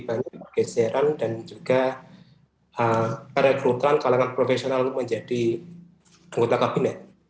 jadi banyak pergeseran dan juga perekrutan kalangan profesional menjadi anggota kabinet